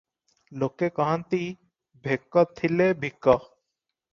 ଲୋକେ କହନ୍ତି, "ଭେକ ଥିଲେ ଭିକ ।"